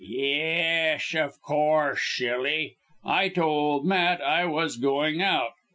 "Yesh, of course, shilly! I told Matt I was going out.